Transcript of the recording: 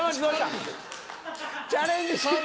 チャレンジ失敗。